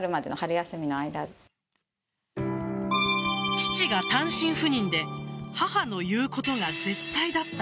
父が単身赴任で母の言うことが絶対だった